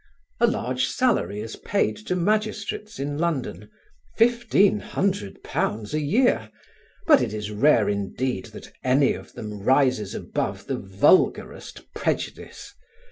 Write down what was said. A large salary is paid to magistrates in London, £1,500 a year, but it is rare indeed that any of them rises above the vulgarest prejudice.